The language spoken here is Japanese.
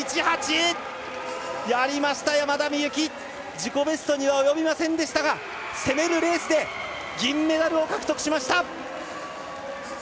自己ベストには及びませんでしたが攻めるレースで銀メダルを獲得しました。